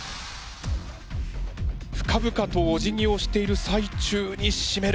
深々とおじぎをしている最中にしめる。